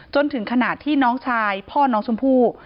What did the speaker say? จนถึงขนาดที่น้องชายพ่อน้องชมพู่